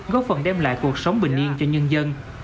góp phần đem lại cuộc sống bình yên cho nhân dân